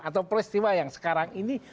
atau peristiwa yang sekarang ini